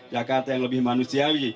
jakarta yang lebih manusiawi